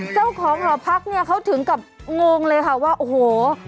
เจ้าของหอพักเนี่ยเขาถึงกับงงเลยค่ะว่าโอ้โห